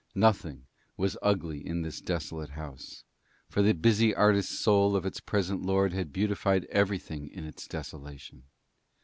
Nothing was ugly in this desolate house, for the busy artist's soul of its present lord had beautified everything in its desolation.